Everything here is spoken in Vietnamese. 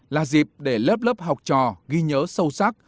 là dịp để lớp lớp học trò ghi nhớ sâu sắc